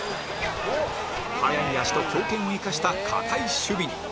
速い足と強肩を生かした堅い守備に